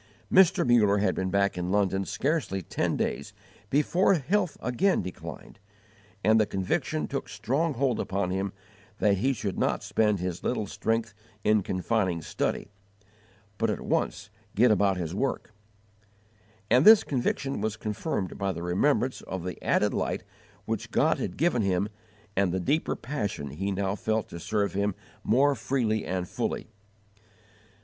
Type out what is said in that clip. Mr. Muller had been back in London scarcely ten days before health again declined, and the conviction took strong hold upon him that he should not spend his little strength in confining study, but at once get about his work; and this conviction was confirmed by the remembrance of the added light which God had given him and the deeper passion he now felt to serve Him more freely and fully.